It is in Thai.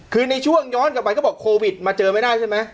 คือในช่วงย้อนกลับไปก็บอกโควิดมาเจอไม่ได้ใช่ไหม